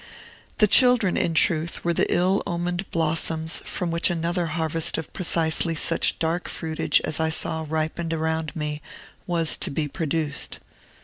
The children, in truth, were the ill omened blossoms from which another harvest of precisely such dark fruitage as I saw ripened around me was to be produced.